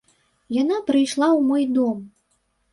Яна прыйшла ў мой дом.